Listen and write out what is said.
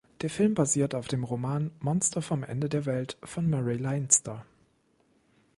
Der Film basiert auf dem Roman "Monster vom Ende der Welt" von Murray Leinster.